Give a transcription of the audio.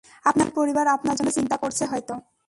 আপনার পরিবার আপনার জন্য চিন্তা করছে হয়তো।